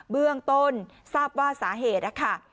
เบื้องต้นทราบว่าสาเหตุนะคะ